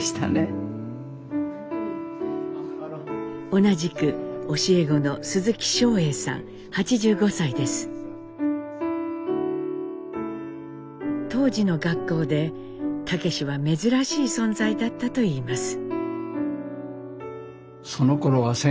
同じく教え子の当時の学校で武は珍しい存在だったといいます。